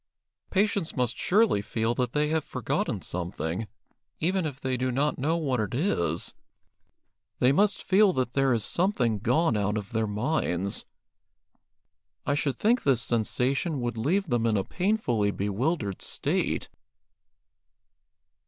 "Patients must surely feel that they have forgotten something, even if they do not know what it is. They must feel that there is something gone out of their minds. I should think this sensation would leave them in a painfully bewildered state."